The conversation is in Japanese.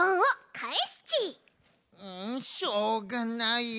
んしょうがない。